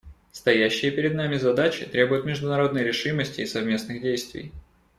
Стоящие перед нами задачи требуют международной решимости и совместных действий.